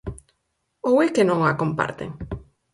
¿Ou é que non a comparten?